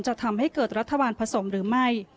จะทำให้เกิดรัฐบาลผสมหรือไม่